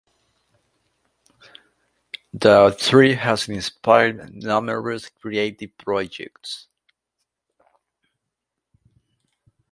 The tree has inspired numerous creative projects.